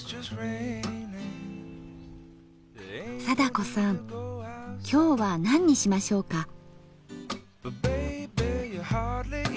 貞子さん今日は何にしましょうか？